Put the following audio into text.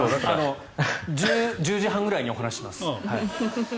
１０時半ぐらいにお話しします。